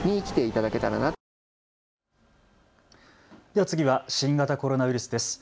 では次は新型コロナウイルスです。